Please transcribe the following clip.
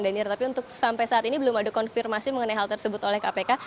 dan ya tapi untuk sampai saat ini belum ada konfirmasi mengenai hal tersebut oleh kpk